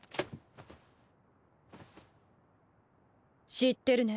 知ってるね。